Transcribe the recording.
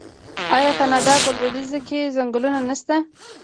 آیا د کاناډا په لویدیځ کې ځنګلونه نشته؟